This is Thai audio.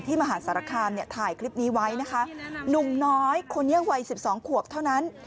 มหาสารคามเนี่ยถ่ายคลิปนี้ไว้นะคะหนุ่มน้อยคนนี้วัยสิบสองขวบเท่านั้น